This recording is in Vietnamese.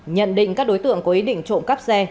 nhận định các đối tượng có ý định trộm cắp xe